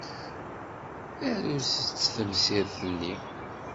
Arut-tt temsirt-nni.